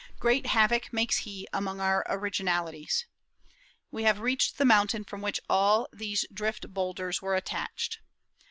Great havoc makes he among our originalities. We have reached the mountain from which all these drift bowlders were detached....